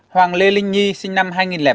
ba hoàng lê linh nhi sinh năm hai nghìn bảy